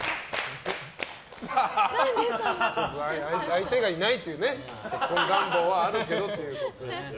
相手がいないというね結婚願望はあるけどということですけど。